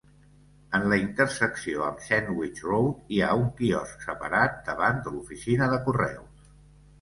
En la intersecció amb Sandwich Road hi ha un quiosc separat, davant de l'oficina de correus.